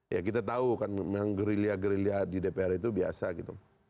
ya kita tahu kan memang gerilya gerilya di dpr itu biasa gitu